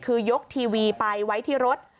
คือยกทีวีไปไว้ที่รถ